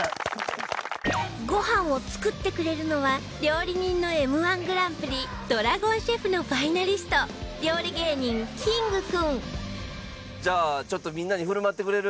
ごはんを作ってくれるのは料理人の Ｍ−１ グランプリ ＤＲＡＧＯＮＣＨＥＦ のファイナリスト料理芸人キングくんじゃあちょっとみんなに振る舞ってくれる？